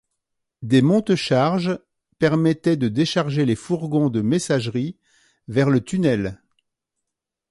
Des monte-charges permettaient de décharger les fourgons de messagerie vers le tunnel.